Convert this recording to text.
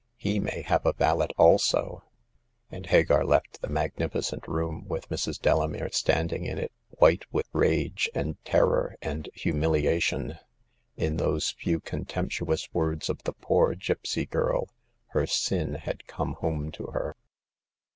He may have a valet also," and Hagar left the mag nificent room, with Mrs. Delamere standing in it, white with rage and terror and humiliation. In those few contemptuous words of the poor gipsy girl, her sin had come home to her.